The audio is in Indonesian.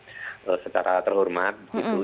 dan diselesaikan dengan secara terhormat gitu